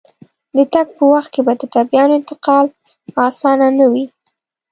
د تګ په وخت کې به د ټپيانو انتقال اسانه نه وي.